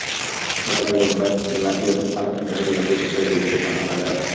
গতকাল রোববার খুলনার সিএসএস আভা সেন্টারে বিভাগীয় পর্যায়ে জয়িতাদের সম্মাননা দেওয়া হয়।